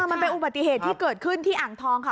มันเป็นอุบัติเหตุที่เกิดขึ้นที่อ่างทองค่ะ